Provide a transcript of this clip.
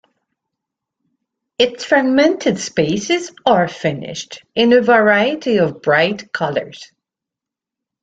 Its fragmented spaces are finished in a variety of bright colors.